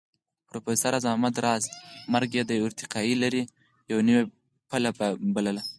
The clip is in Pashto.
پروفېسر راز محمد راز مرګ د يوې ارتقائي لړۍ يوه نوې پله بلله